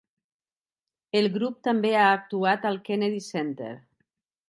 El grup també ha actuat al Kennedy Center.